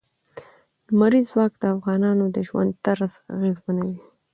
لمریز ځواک د افغانانو د ژوند طرز اغېزمنوي.